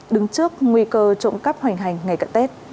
đứng trước nguy cơ trộm cắp hoành hành ngày cận tết